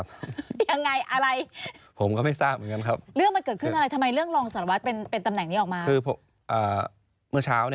ลงประจำวันเสร็จเพื่อนก็ส่งข้อมูลมาให้ว่า